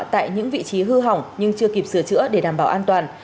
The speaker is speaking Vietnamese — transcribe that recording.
tại những vị trí hư hỏng nhưng chưa kịp sửa chữa để đảm bảo an toàn